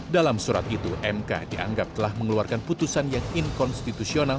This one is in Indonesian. dalam surat itu mk dianggap telah mengeluarkan putusan yang inkonstitusional